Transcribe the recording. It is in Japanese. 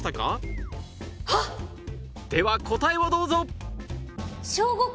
では答えをどうぞ！